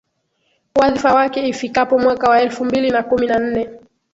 wadhifa wake ifikapo mwaka wa elfu mbili na kumi na nne